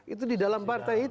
itu di dalam partai itu